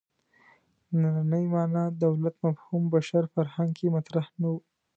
نننۍ معنا دولت مفهوم بشر فرهنګ کې مطرح نه و.